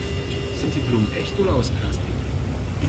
Sind die Blumen echt oder aus Plastik?